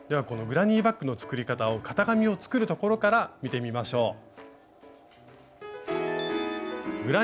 このグラニーバッグの作り方を型紙を作るところから見てみましょう。